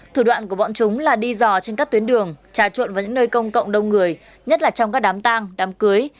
thủ đoạn của bọn chúng là đi dò trên các tuyến đường trà trộn vào những nơi công cộng đông người nhất là trong các đám tang đám cưới